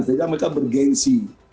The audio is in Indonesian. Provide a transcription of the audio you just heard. sehingga mereka bergensi